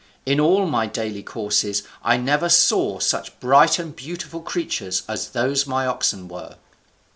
In all my daily course I never saw such bright and beautiful creatures as those my oxen were."